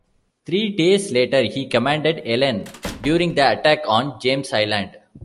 Three days later, he commanded "Ellen" during the attack on James Island.